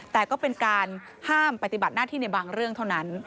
แต่ก็เป็นการห้ามปฏิบัติหน้าที่ในบางเรื่องเท่านั้น